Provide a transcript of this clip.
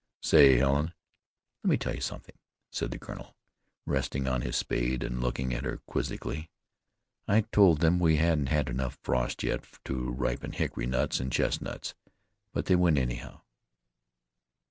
"Say, Helen, let me tell you something," said the colonel, resting on his spade and looking at her quizzically. "I told them we hadn't had enough frost yet to ripen hickory nuts and chestnuts. But they went anyhow.